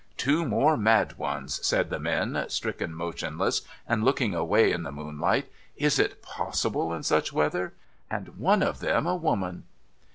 ' Two more mad ones !' said the men, stricken motionless, and looking away in the moonlight. ' Is it possible in such weather ! And one of them a woman